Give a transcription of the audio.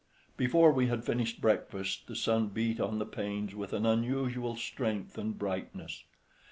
Before we had finished breakfast the sun beat on the panes with an unusual strength and brightness.